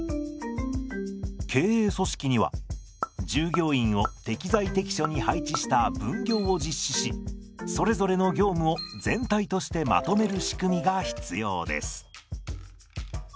経営組織には従業員を適材適所に配置した分業を実施しそれぞれの業務を全体としてまとめる仕組みが必要です。